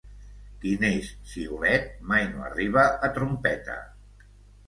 Qui neix xiulet mai no arriba a trompeta.